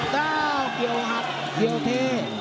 เกี่ยวหักเกี่ยวเท